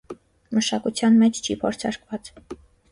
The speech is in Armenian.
Մշակության մեջ չի փորձարկված։